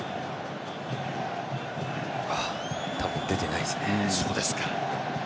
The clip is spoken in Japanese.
多分出てないですね。